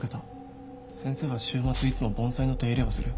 先生は週末いつも盆栽の手入れをする。